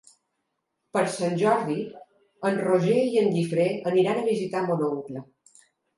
Per Sant Jordi en Roger i en Guifré aniran a visitar mon oncle.